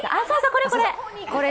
これこれ！